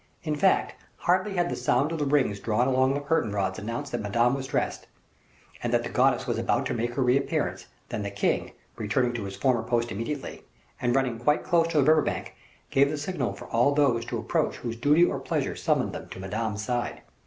In fact, hardly had the sound of the rings drawn along the curtain rods announced that Madame was dressed, and that the goddess was about to make her reappearance, than the king, returning to his former post immediately, and running quite close to the river bank, gave the signal for all those to approach whose duty or pleasure summoned them to Madame's side.